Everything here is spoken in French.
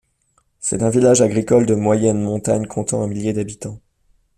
C'est un village agricole de moyenne montagne comptant un millier d'habitants.